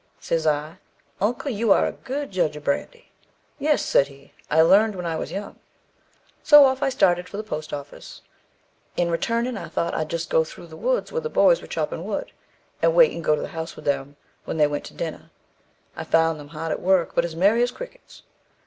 Says I, 'Uncle, you are a good judge of brandy.' 'Yes,' said he, 'I learned when I was young.' So off I started for the post office. In returnin' I thought I'd jist go through the woods where the boys were chopping wood, and wait and go to the house with them when they went to dinner. I found them hard at work, but as merry as crickets.